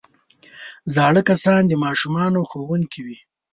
زاړه کسان د ماشومانو ښوونکي وي